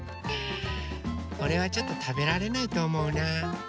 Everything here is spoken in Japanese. これはちょっとたべられないとおもうなうん。